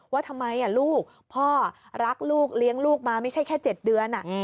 ว่าทำไมลูกพ่อรักลูกเลี้ยงลูกมาไม่ใช่แค่๗เดือน